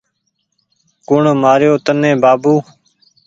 ڪوٚڻ مآري يو تني بآبو